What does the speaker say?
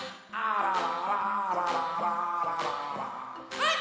はい！